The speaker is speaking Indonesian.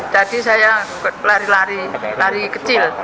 tadi saya lari lari lari kecil